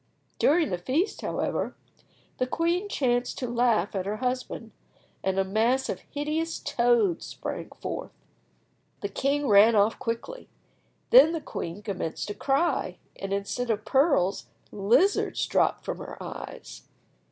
During the feast, however, the queen chanced to laugh at her husband, and a mass of hideous toads sprang forth! The king ran off quickly. Then the queen commenced to cry, and instead of pearls, lizards dropped from her eyes.